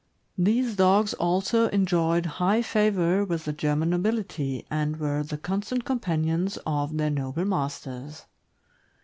These dogs also enjoyed high favor with the German nobility, and were the constant companions of their noble masters.